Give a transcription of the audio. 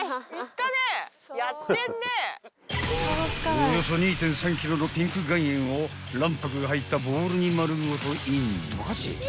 ［およそ２．３ｋｇのピンク岩塩を卵白が入ったボウルに］